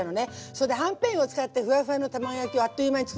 それではんぺんを使ってふわふわの卵焼きをあっという間につくっちゃうっていう。